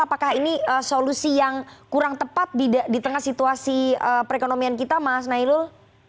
apakah ini solusi yang kurang tepat di tengah situasi perekonomian kita mas nailul